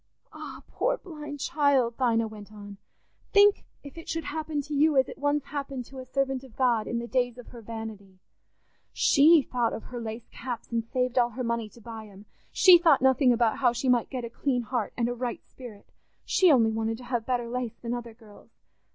"Ah, poor blind child!" Dinah went on, "think if it should happen to you as it once happened to a servant of God in the days of her vanity. She thought of her lace caps and saved all her money to buy 'em; she thought nothing about how she might get a clean heart and a right spirit—she only wanted to have better lace than other girls.